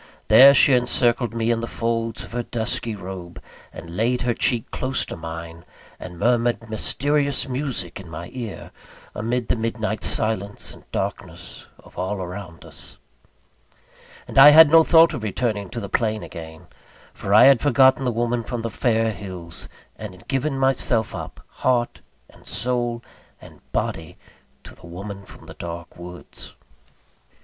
There, she encircled me in the folds of her dusky robe, and laid her cheek close to mine, and murmured a mysterious music in my ear, amid the midnight silence and darkness of all around us. And I had no thought of returning to the plain again; for I had forgotten the woman from the fair hills, and had given myself up, heart, and soul, and body, to the woman from the dark woods.